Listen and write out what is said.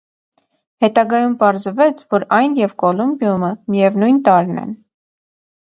Հետագայում պարզվեց, որ այն և կոլումբիումը միևնույն տարրն են։